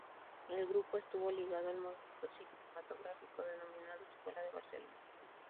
El grupo estuvo ligado al movimiento cinematográfico denominado Escuela de Barcelona.